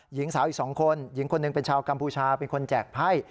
หญิงสาวอีก๒คนหญิงคนหนึ่งเป็นชาวกัมพูชาเป็นคนแจกไพ่